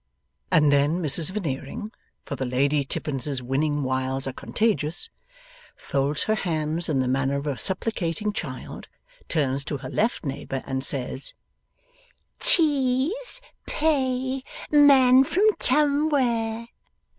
And then Mrs Veneering for the Lady Tippins's winning wiles are contagious folds her hands in the manner of a supplicating child, turns to her left neighbour, and says, 'Tease! Pay! Man from Tumwhere!